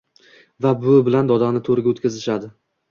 Va buvi bilan dodani to’riga o’tkazishadi.